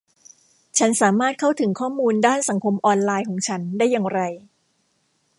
ฉันสามารถเข้าถึงข้อมูลด้านสังคมออนไลน์ของฉันได้อย่างไร